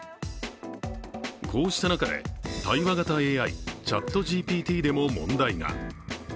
こうした中で、対話型ＡＩＣｈａｔＧＰＴでも問題が。